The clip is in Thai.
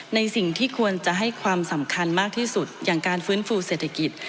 ในสิ่งที่ควรจะให้ความสำคัญมากที่สุดอย่างการฟื้นฟูเศรษฐกิจ